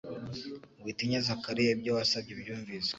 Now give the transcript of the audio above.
Witinya Zakariya, ibyo wasabye byumviswe.